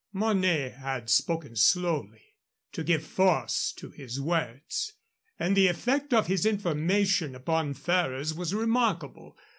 Mornay had spoken slowly, to give force to his words, and the effect of his information upon Ferrers was remarkable.